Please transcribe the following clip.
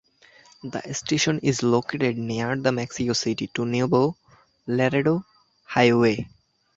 This station is located near the Mexico City to Nuevo Laredo highway.